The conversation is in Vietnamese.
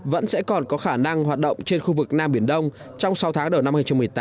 vẫn sẽ còn có khả năng hoạt động trên khu vực nam biển đông trong sáu tháng đầu năm hai nghìn một mươi tám